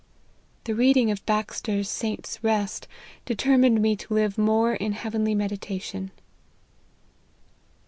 The reading of Baxter's o Saint's Rest, determined me to live more in heavenly meditation."